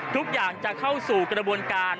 ทุกอย่างจะเข้าสู่กระบวนการ